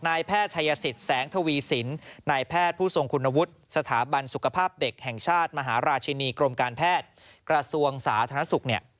นายแพทย์ชายสิทธิ์แสงทวีสินนายแพทย์ผู้ทรงคุณวุฒิสถาบันสุขภาพเด็กแห่งชาติมหาราชินีกรมการแพทย์กระทรวงสาธารณสุขเนี่ย